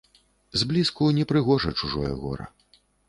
Зблізку непрыгожа чужое гора.